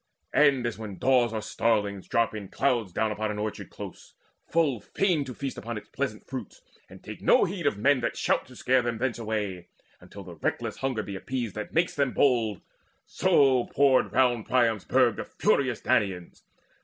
And as when daws or starlings drop in clouds Down on an orchard close, full fain to feast Upon its pleasant fruits, and take no heed Of men that shout to scare them thence away, Until the reckless hunger be appeased That makes them bold; so poured round Priam's burg The furious Danaans.